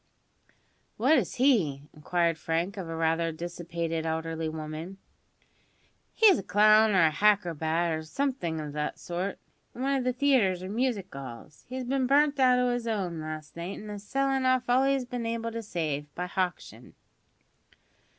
"What is he?" inquired Frank of a rather dissipated elderly woman. "He's a clown or a hacrobat, or somethink of that sort, in one of the theatres or music 'alls. He's bin burnt out o' his 'ome last night, an's a sellin' off all he's been able to save, by hauction."